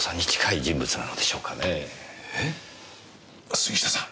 杉下さん。